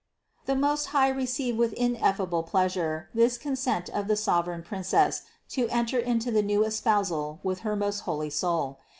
437. The Most High received with ineffable pleasure this consent of the sovereign Princess to enter into the new espousal with her most holy soul.